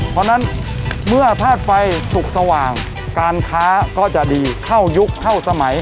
เพราะฉะนั้นเมื่อธาตุไฟสุขสว่างการค้าก็จะดีเข้ายุคเข้าสมัย